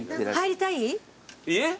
えっ？